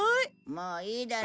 もういいだろ。